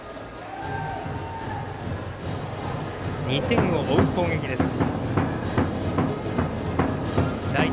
２点を追う攻撃です。